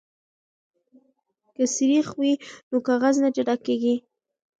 که سريښ وي نو کاغذ نه جدا کیږي.